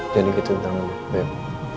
jangan begitu tentang aku beb